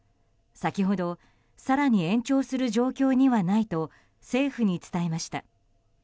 先ほど更に延長する状況にはないと政府に伝えました。